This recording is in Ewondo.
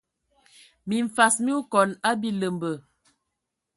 Mimfas mi okɔn a biləmbə.